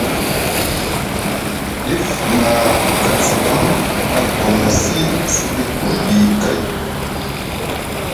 Dif na gaziɗaŋ a gonosi siɗi gobi kay.